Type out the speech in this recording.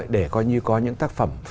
để coi như có những tác phẩm